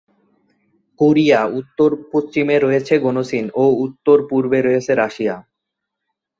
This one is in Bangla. কোরিয়া উত্তর-পশ্চিমে রয়েছে গণচীন ও উত্তর-পূর্বে রয়েছে রাশিয়া।